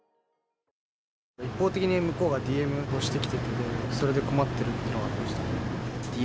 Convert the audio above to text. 一方的に向こうがＤＭをしてきて、それで困ってるっていうのがありました。